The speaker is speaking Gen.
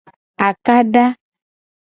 Akada.